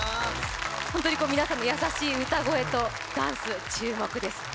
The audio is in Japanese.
皆さんの優しい歌声とダンス注目です。